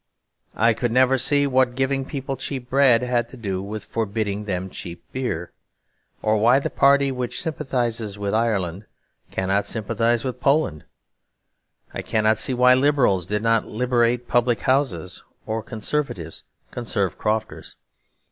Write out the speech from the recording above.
I could never see what giving people cheap bread had to do with forbidding them cheap beer; or why the party which sympathises with Ireland cannot sympathise with Poland. I cannot see why Liberals did not liberate public houses or Conservatives conserve crofters.